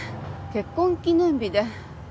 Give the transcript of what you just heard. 結婚記念日で。